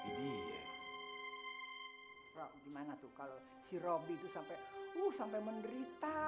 bro gimana tuh kalau si robi itu sampai uh sampai menderita ya